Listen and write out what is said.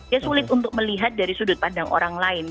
ya sulit untuk melihat dari sudut pandang orang lain